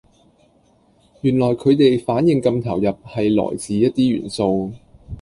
原來佢地反應咁投入係來自一啲元素